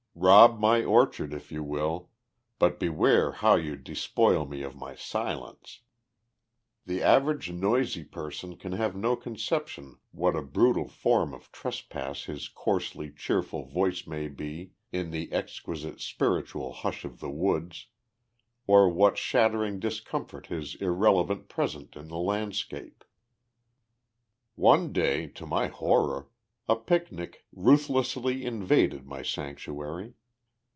Rob my orchard if you will, but beware how you despoil me of my silence. The average noisy person can have no conception what a brutal form of trespass his coarsely cheerful voice may be in the exquisite spiritual hush of the woods, or what shattering discomfort his irrelevant presence in the landscape. One day, to my horror, a picnic ruthlessly invaded my sanctuary.